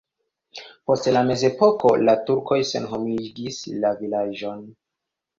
Post la mezepoko la turkoj senhomigis la vilaĝon.